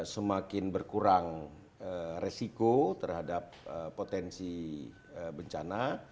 semakin berkurang resiko terhadap potensi bencana